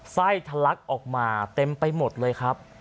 ไส้ทะลักออกมาเต็มไปหมดเลยครับ